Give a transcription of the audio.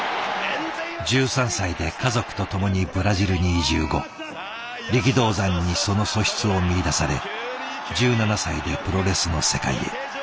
１３歳で家族とともにブラジルに移住後力道山にその素質を見いだされ１７歳でプロレスの世界へ。